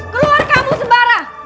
keluar kamu sembara